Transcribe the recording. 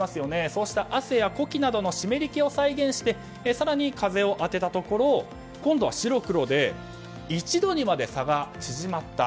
そうした汗や呼気などの湿り気を再現し更に、風を当てたところ今度は白黒で１度にまで差が縮まった。